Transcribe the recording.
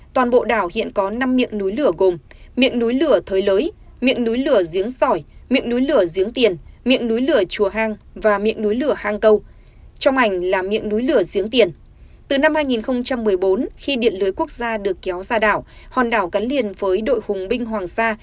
từ năm hai nghìn một mươi bốn khi điện lưới quốc gia được kéo ra đảo hòn đảo cắn liền với đội hùng binh hoàng sa